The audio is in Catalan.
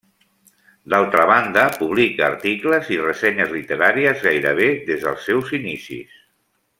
D'altra banda, publica articles i ressenyes literàries gairebé des dels seus inicis.